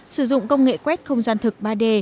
sử dụng công nghệ quét không gian thực ba d